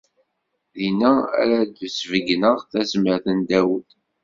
Dinna ara d-sbeyyneɣ tazmert n Dawed.